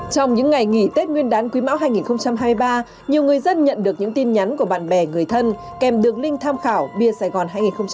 trong những ngày nghỉ tết nguyên đán quý mão hai nghìn hai mươi ba nhiều người dân nhận được những tin nhắn của bạn bè người thân kèm đường link tham khảo bia sài gòn hai nghìn hai mươi ba